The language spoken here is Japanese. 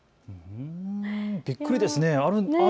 びっくりですね。